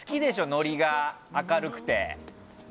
ノリが明るくて。